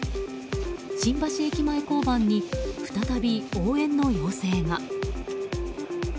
新橋駅前交番に再び応援の要請が。